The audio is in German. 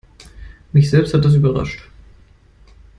Mich selbst hat das überrascht.